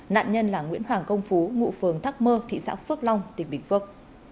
nạn nhân là nguyễn hoàng công phú ngụ phường thác mơ thị xã phước long tỉnh bình phước